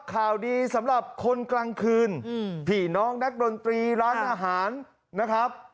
ข่าวดีสำหรับคนกลางคืนผีน้องนักดนตรีร้านอาหารนะครับ